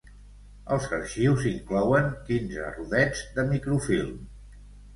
Els arxius inclouen quinze rodets de microfilm.